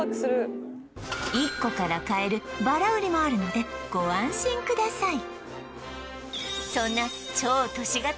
１個から買えるバラ売りもあるのでご安心ください